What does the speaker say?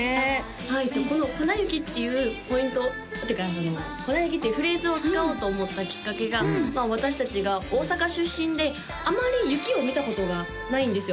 はいこの「粉雪」っていうポイント「粉雪」っていうフレーズを使おうと思ったきっかけが私達が大阪出身であまり雪を見たことがないんですよ